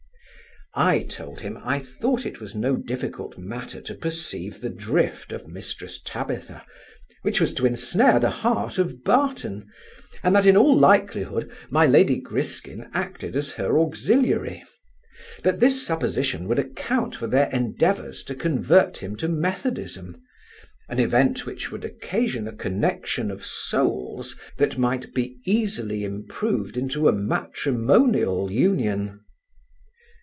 I told him I thought it was no difficult matter to perceive the drift of Mrs Tabitha, which was to ensnare the heart of Barton, and that in all likelihood my lady Griskin acted as her auxiliary: that this supposition would account for their endeavours to convert him to methodism; an event which would occasion a connexion of souls that might be easily improved into a matrimonial union.